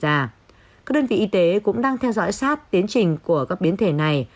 các đơn vị y tế cũng đang theo dõi sát tiến trình của các biến thể này